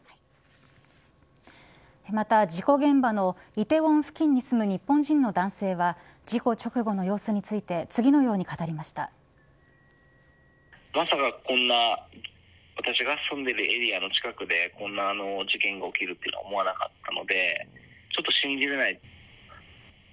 また、事故現場の梨泰院付近に住む日本人の男性は事故直後の様子について次のように語りました。